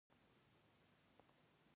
نوي پاچا ته دوه لیکونه واستوي.